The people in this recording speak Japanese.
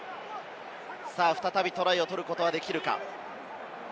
再びトライを取ることができるか？